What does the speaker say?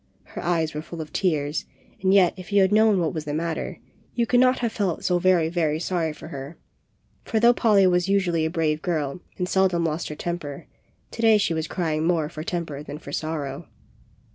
Her eyes were full of tears, and yet, if you had known what was the matter, you could not have felt so very, very sorry for her; for though Polly was usually a brave girl and seldom lost her temper, to day she was crying more for temper than for sorrow.